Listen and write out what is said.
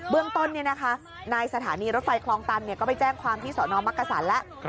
เบื้องต้นนี่นะคะนายสถานีรถไฟคลองตันก็ไปแจ้งความที่สอนอมักกระสันแล้ว